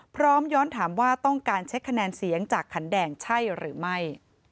พร้อมย้อนถามว่าต้องการเช็คคะแนนเสียงจากขันแดงใช่หรือไม่